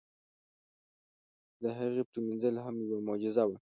د هغې پرېمنځل هم یوه معجزه وه.